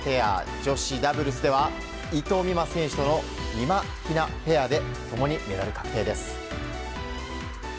女子ダブルスでは伊藤美誠選手とのみまひなペアで共にメダル確定です。